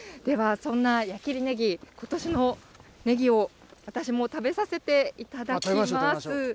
そんな矢切ねぎ、ことしのねぎを私も食べさせていただきます。